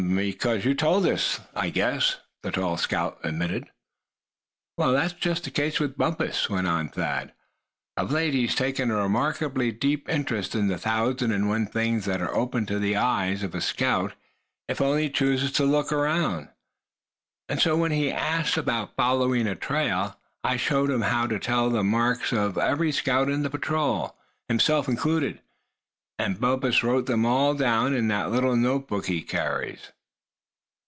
"Huh! because you just told us, I guess," the tall scout admitted. "Well, that's just the case with Bumpus," went on Thad. "Of late he's taken a remarkably deep interest in the thousand and one things that are open to the eyes of a scout, if only he chooses to look around. And so, when he asked about following a trail, I showed him how to tell the marks of every scout in the patrol, himself included. And Bumpus wrote them all down in that little notebook he carries."